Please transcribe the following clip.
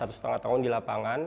dan juga dari pemerintah indonesia